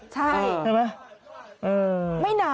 ใช่